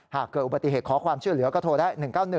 หากเกิดอุบัติเหตุขอความช่วยเหลือก็โทรได้๑๙๑